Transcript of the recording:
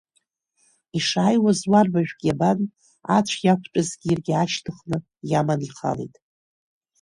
Ишааиуаз уарбажәк иабан ацә иақәтәазгьы иаргьы аашьҭыхны иаманы ихалеит.